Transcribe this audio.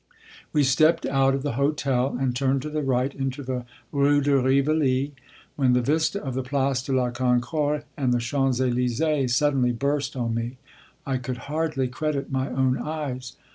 We stepped out of the hotel and turned to the right into the rue de Rivoli. When the vista of the Place de la Concorde and the Champs Élysées suddenly burst on me, I could hardly credit my own eyes.